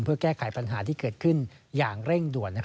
เพื่อแก้ไขปัญหาที่เกิดขึ้นอย่างเร่งด่วน